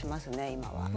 今は。